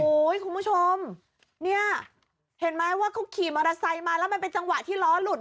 โอ้โหคุณผู้ชมเนี่ยเห็นไหมว่าเขาขี่มอเตอร์ไซค์มาแล้วมันเป็นจังหวะที่ล้อหลุด